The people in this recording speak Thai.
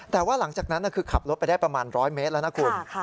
แต่ว่าหลังจากนั้นคือขับรถไปได้ประมาณ๑๐๐เมตรแล้วนะคุณ